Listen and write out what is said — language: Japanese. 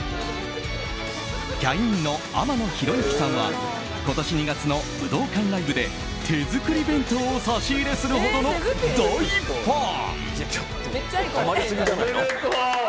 キャインの天野ひろゆきさんは今年２月の武道館ライブで手作り弁当を差し入れするほどの大ファン。